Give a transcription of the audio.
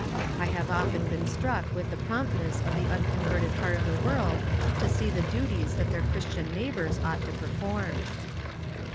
I have often been struck with the promptness of the unconverted part of the world \o see the duties that their Christian neighbors ought to perform.